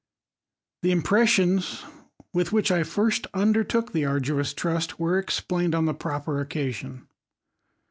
The impressions, with which I first undertook the arduous trust, were explained on the proper occasion.